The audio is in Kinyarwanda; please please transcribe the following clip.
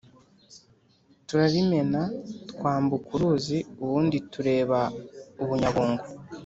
turarimena twambuka uruzi ubundi tureba ubunyabungo